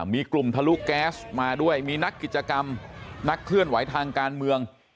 มีกลุ่มทะลุแก๊สมาด้วยมีนักกิจกรรมนักเคลื่อนไหวทางการเมือง